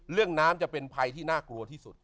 น้ำจะเป็นภัยที่น่ากลัวที่สุด